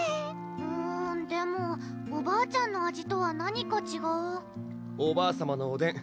うんでもおばあちゃんの味とは何かちがうおばあさまのおでん